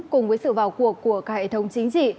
cùng với sự vào cuộc của cả hệ thống chính trị